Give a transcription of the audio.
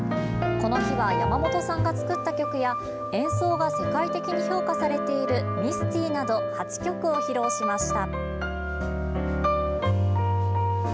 この日は、山本さんが作った曲や演奏が世界的に評価されている「ミスティ」など８曲を披露しました。